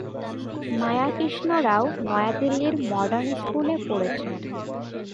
মায়া কৃষ্ণ রাও নয়াদিল্লির মডার্ন স্কুলে পড়েছেন।